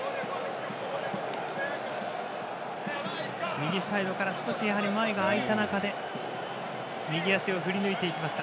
右サイドから少し前が空いた中で右足を振り抜いていきました。